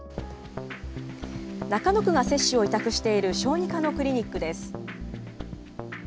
中野区が接種を委託している小児科のクリニックです。